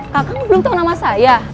kakak belum tau nama saya